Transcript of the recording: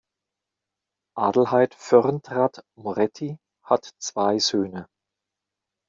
Adelheid Fürntrath-Moretti hat zwei Söhne.